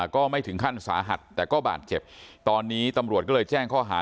ก็ไม่ถึงขั้นสาหัสแต่ก็บาดเจ็บตอนนี้ตำรวจก็เลยแจ้งข้อหา